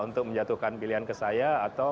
untuk menjatuhkan pilihan ke saya atau